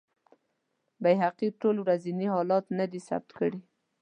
بیهقي ټول ورځني حالات نه دي ثبت کړي.